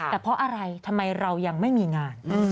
แต่เพราะอะไรทำไมเรายังไม่มีงาน